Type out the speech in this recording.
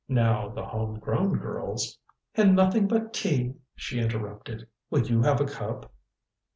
Now, the home grown girls " "And nothing but tea," she interrupted. "Will you have a cup?"